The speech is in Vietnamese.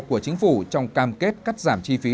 của chính phủ trong cam kết cắt giảm chi phí